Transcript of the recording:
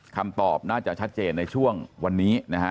คำตอบน่าจะชัดเจนในช่วงวันนี้นะฮะ